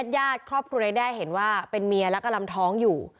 ญาติครอบครัวนายแด้เห็นว่าเป็นเมียและกำลังท้องอยู่